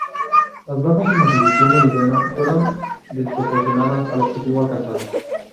Las bajas en la división boliviana fueron desproporcionadas al objetivo alcanzado.